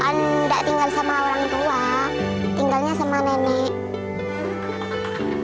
anda tinggal sama orang tua tinggalnya sama nenek